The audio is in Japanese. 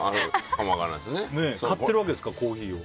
買ってるわけですからコーヒーを。